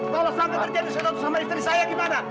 kalau sampai terjadi sesuatu sama istri saya gimana